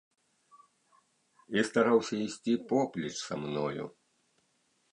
І стараўся ісці поплеч са мною.